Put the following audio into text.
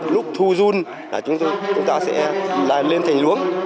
lúc thu dung là chúng ta sẽ lên thành luống